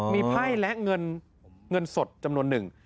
อ๋อมีไพ่และเงินเงินสดจำนวนหนึ่ง